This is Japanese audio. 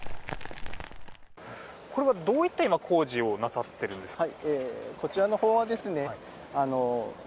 これはどういった工事をなさっているんですか？